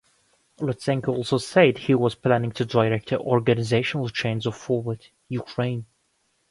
Lutsenko also said he was planning to direct the organisational changes of Forward, Ukraine!